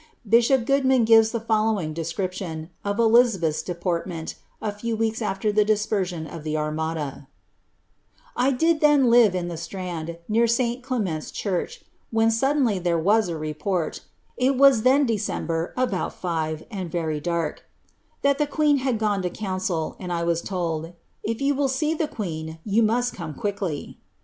Bi diop Goodman gives the following description, of Elizabeth's deport nent, a few weeks after the dispersion of the Armada :—I did then live in the Strand, near St. Clement's church,' when sud denly there was a report, (it was then December, about fiye^ and very dark,) that the queen was gone to council, and I was told, ' If you will lee Uie queen, you must come quickly.'